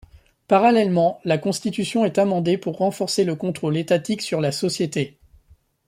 Parallèlement, la Constitution est amendée pour renforcer le contrôle étatique sur la société.